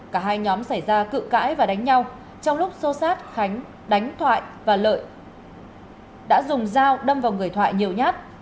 cả hai nhóm xảy ra cự cãi và đánh nhau trong lúc xô sát khánh đánh thoại và lợi đã dùng dao đâm vào người thoại nhiều nhát